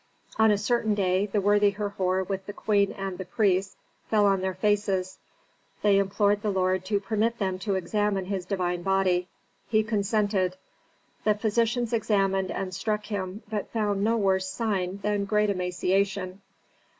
On a certain day the worthy Herhor with the queen and the priests, fell on their faces; they implored the lord to permit them to examine his divine body. He consented. The physicians examined and struck him, but found no worse sign than great emaciation.